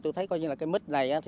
tôi thấy mít này